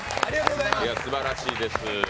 すばらしいです。